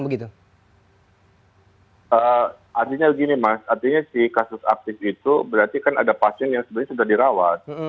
artinya gini mas artinya si kasus aktif itu berarti kan ada pasien yang sebenarnya sudah dirawat